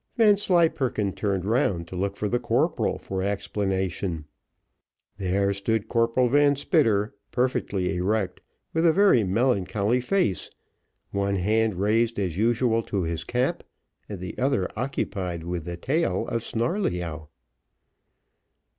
Vanslyperken turned round to look for the corporal for explanation. There stood Corporal Van Spitter, perfectly erect, with a very melancholy face, one hand raised as usual to his cap, and the other occupied with the tail of Snarleyyow.